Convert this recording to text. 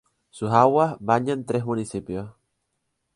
Sus aguas bañan tres municipios.